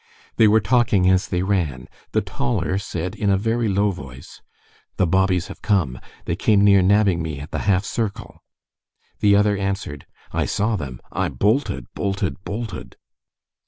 They were talking as they ran. The taller said in a very low voice:— "The bobbies have come. They came near nabbing me at the half circle." The other answered: "I saw them. I bolted, bolted, bolted!"